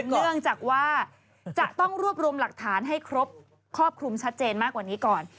เนื่องจากว่าจะต้องรวบรวมหลักฐานให้ครบครอบคลุมชัดเจนมากกว่านี้ก่อน